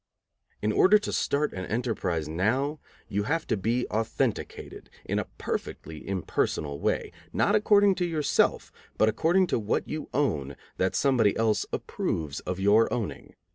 In order to start an enterprise now, you have to be authenticated, in a perfectly impersonal way, not according to yourself, but according to what you own that somebody else approves of your owning.